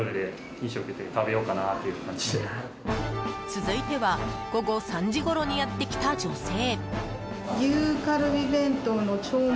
続いては午後３時ごろにやってきた女性。